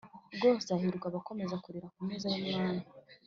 Rwose hahirwa abakomeza kurira ku meza y’Umwami